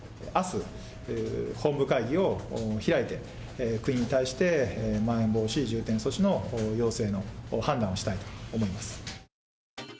あす、本部会議を開いて、国に対してまん延防止重点措置の要請の判断をしたいと思います。